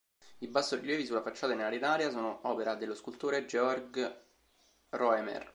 I bassorilievi sulla facciata in arenaria sono opera dello scultore Georg Roemer.